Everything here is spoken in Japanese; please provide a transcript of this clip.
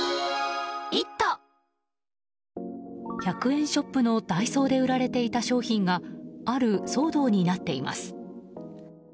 １００円ショップのダイソーで売られていた商品がある騒動になっています。